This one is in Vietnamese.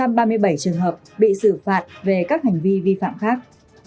một trăm ba mươi bảy trường hợp bị xử phạt về các hành vi vi phạm khác